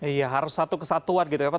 iya harus satu kesatuan gitu ya pak